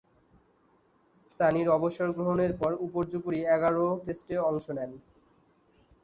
সানি’র অবসর গ্রহণের পর উপর্যুপরী এগারো টেস্টে অংশ নেন।